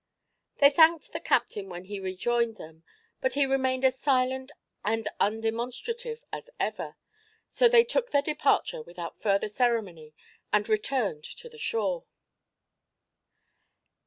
They thanked the captain when he rejoined them, but he remained as silent and undemonstrative as ever, so they took their departure without further ceremony and returned to the shore.